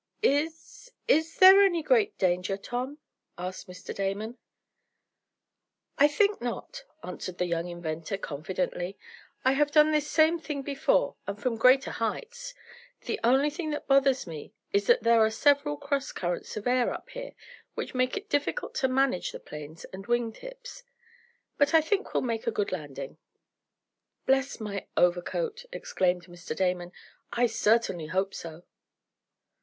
"Is is there any great danger, Tom?" asked Mr. Damon. "I think not," answered the young inventor, confidently. "I have done this same thing before, and from greater heights. The only thing that bothers me is that there are several cross currents of air up here, which make it difficult to manage the planes and wing tips. But I think we'll make a good landing." "Bless my overcoat!" exclaimed Mr. Damon "I certainly hope so."